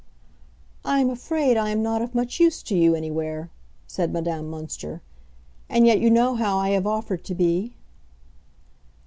"I am afraid I am not of much use to you anywhere!" said Madame Münster. "And yet you know how I have offered to be."